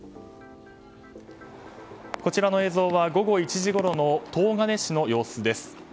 こちらの映像は午後１時ごろの東金市の様子です。